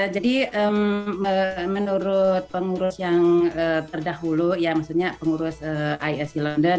jadi menurut pengurus yang terdahulu ya maksudnya pengurus iic london